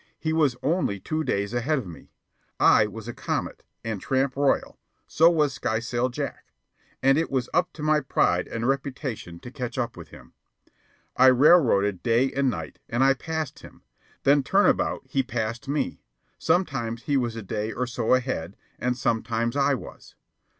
He was only two days ahead of me. I was a "comet" and "tramp royal," so was Skysail Jack; and it was up to my pride and reputation to catch up with him. I "railroaded" day and night, and I passed him; then turn about he passed me. Sometimes he was a day or so ahead, and sometimes I was.